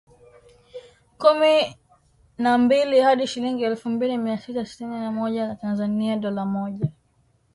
kumi na mbili hadi shilingi elfu mbili mia sita sitini na moja za Tanzania dola moja